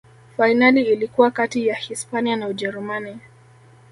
fainali ilikuwa kati ya hispania na ujerumani